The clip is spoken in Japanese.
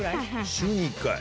週に１回。